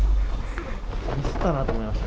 ミスったなと思いましたね。